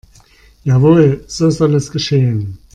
Jawohl, so soll es geschehen.